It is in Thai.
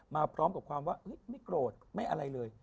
มาพร้อมกับความว่าไม่โกรธไม่อะไรเลย